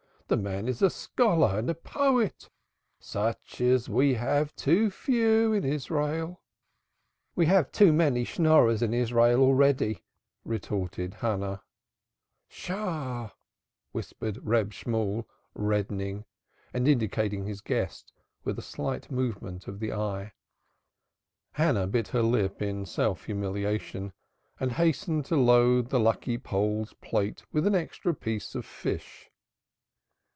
"The man is a scholar and a poet, such as we have too few in Israel." "We have too many Schnorrers in Israel already," retorted Hannah. "Sh!" whispered Reb Shemuel reddening and indicating his guest with a slight movement of the eye. Hannah bit her lip in self humiliation and hastened to load the lucky Pole's plate with an extra piece of fish.